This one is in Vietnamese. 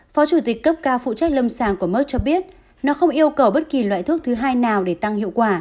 phó chủ tịch cấp ca phụ trách lâm sàng của merk cho biết nó không yêu cầu bất kỳ loại thuốc thứ hai nào để tăng hiệu quả